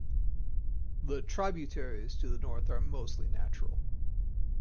The tributaries to the north are mostly natural.